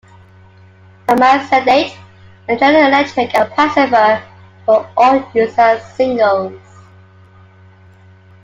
"My Mind's Sedate", "The General Electric" and "Pacifier" were all used as singles.